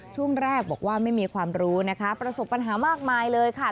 ช่วงแรกบอกว่าไม่มีความรู้นะคะประสบปัญหามากมายเลยค่ะ